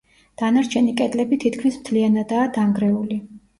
დანარჩენი კედლები თითქმის მთლიანადაა დანგრეული.